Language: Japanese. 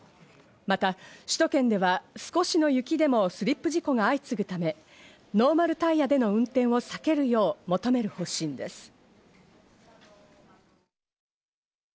また首都圏では少しの雪でもスリップ事故が相次ぐため、ノーマルタイヤでの運転を避けるよう求める方針です。